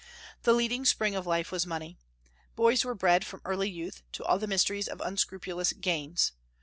The leading spring of life was money. Boys were bred from early youth to all the mysteries of unscrupulous gains.